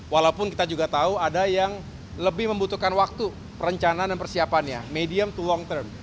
walaupun kita juga tahu ada yang lebih membutuhkan waktu perencanaan dan persiapannya medium to long term